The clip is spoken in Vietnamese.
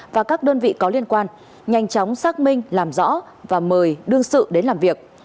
và các đơn vị có liên quan nhanh chóng xác minh làm rõ và mời đương sự đến làm việc